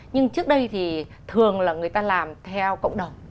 nhưng trước đây thì thường là người ta làm theo cộng đồng